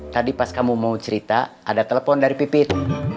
tadi pas kamu mau cerita ada telepon dari pipit